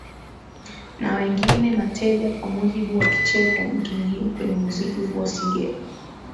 na wengine mateja Kwa mujibu wa Kicheko mtu muhimu kwenye muziki huo Singeli